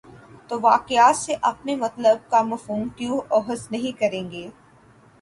توواقعات سے اپنے مطلب کا مفہوم کیوں اخذ نہیں کریں گے؟